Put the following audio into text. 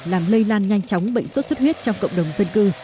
làm lây lan nhanh chóng bệnh xuất xuất huyết trong cộng đồng dân cư